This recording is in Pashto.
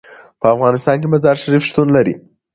په افغانستان کې مزارشریف شتون لري.